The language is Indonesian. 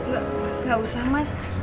gak gak usah mas